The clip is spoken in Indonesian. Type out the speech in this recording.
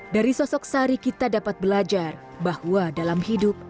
dari sosok sari kita dapat belajar bahwa dalam hidup